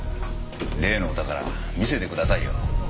例のお宝見せてくださいよ。